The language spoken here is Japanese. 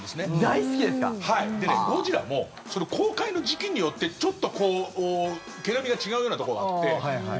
でね、ゴジラも公開の時期によってちょっと毛並みが違うようなところがあって。